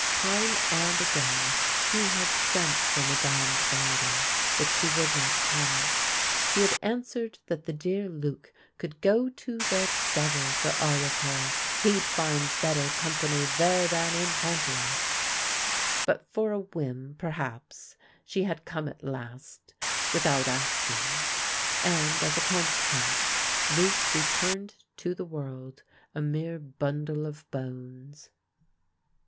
Time and again he had sent for Mme. Degardy, but she would not come. She had answered that the dear Luc could go to the devil for all of her ; he'd find better company there than in Pontiac. But for a whim, perhaps, she had come at last with out asking, and as a consequence Luc returned to the world a mere bundle of bones.